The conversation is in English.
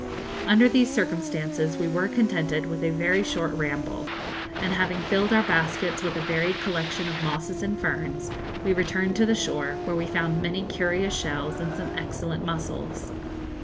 Under these circumstances we were contented with a very short ramble, and having filled our baskets with a varied collection of mosses and ferns, we returned to the shore, where we found many curious shells and some excellent mussels.